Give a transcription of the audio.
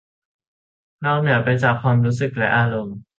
นอกเหนือไปจากความรู้สึกและอารมณ์